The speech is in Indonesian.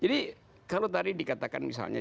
jadi kalau tadi dikatakan misalnya